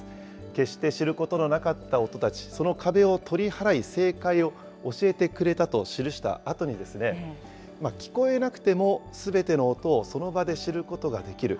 決して知ることのなかった音たち、その壁を取り払い、正解を教えてくれたと記したあとに、聞こえなくてもすべての音をその場で知ることができる。